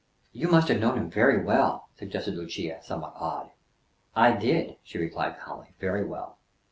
"You must have known him very well," suggested Lucia, somewhat awed. "I did," she replied calmly. "Very well."